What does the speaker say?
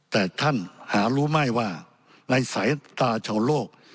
แต่ท่านหารู้ไม่ว่าในสายตาชาวโลก